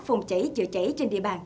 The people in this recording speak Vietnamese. phòng cháy chữa cháy trên địa bàn